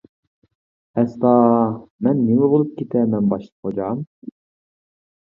-ئەستا، مەن نېمە بولۇپ كېتەرمەن باشلىق غوجام.